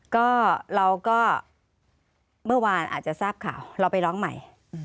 ก็เราก็เมื่อวานอาจจะทราบข่าวเราไปร้องใหม่